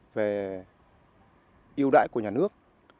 về yêu đại của nhà nước